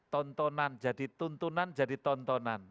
tontonan jadi tuntunan jadi tontonan